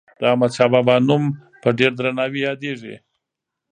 د احمدشاه بابا نوم په ډېر درناوي یادیږي.